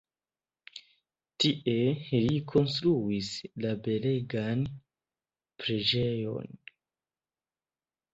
Tie li konstruis la belegan preĝejon.